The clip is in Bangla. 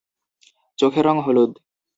চোখ হলুদ রঙের।